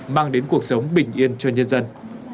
mang đến cuộc sống bình yên cho nhân dân